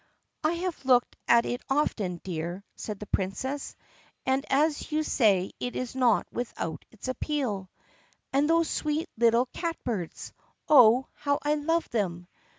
"I have looked at it often, dear," said the Princess, "and as you say it is not without its appeal." "And those sweet little catbirds. Oh, how I love them!"